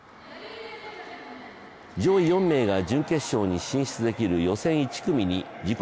上位４名が準決勝に進出できる予選１組に自己